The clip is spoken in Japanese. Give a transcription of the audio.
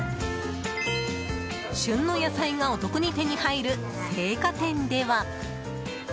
旬の野菜がお得に手に入る青果店では。